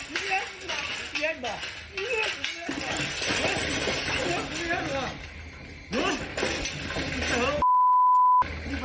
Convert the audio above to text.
มึงเต๋อ